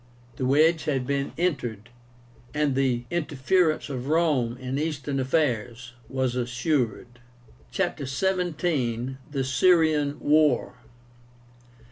The wedge had been entered and the interference of Rome in Eastern affairs was assured. CHAPTER XVII. THE SYRIAN WAR.